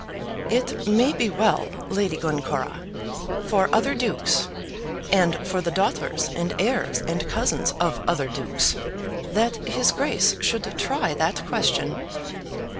"It may be well, Lady Glencora, for other dukes, and for the daughters and heirs and cousins of other dukes, that his Grace should try that question.